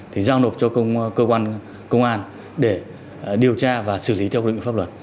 thì giao nộp cho cơ quan công an để điều tra và xử lý theo quy định pháp luật